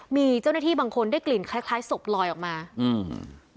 มีเจ้าหน้าที่บางคนได้กลิ่นคล้ายคล้ายศพลอยออกมาอืม